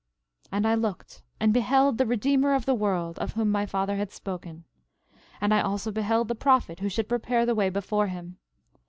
11:27 And I looked and beheld the Redeemer of the world, of whom my father had spoken; and I also beheld the prophet who should prepare the way before him.